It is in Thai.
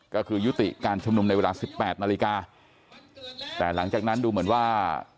ก็คือยุติการชุมนุมในเวลาสิบแปดนาฬิกาแต่หลังจากนั้นดูเหมือนว่า